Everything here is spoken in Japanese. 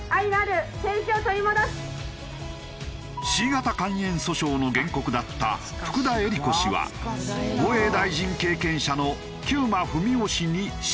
Ｃ型肝炎訴訟の原告だった福田衣里子氏は防衛大臣経験者の久間章生氏に勝利。